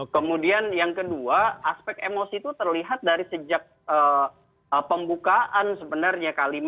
kemudian yang kedua aspek emosi itu terlihat dari sejak pembukaan sebenarnya